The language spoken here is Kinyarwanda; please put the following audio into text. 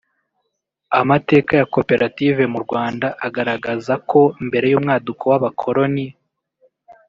Amateka ya koperative mu Rwanda agaragaza ko mbere y’umwaduko w’abakoloni